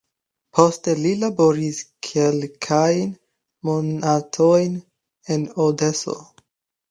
Poste li laboris kelkajn monatojn en Odeso.